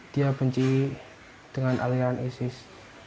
dia benci dengan aliran isis